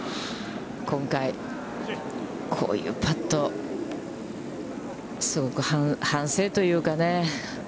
今回、こういうパット、すごく反省というかね。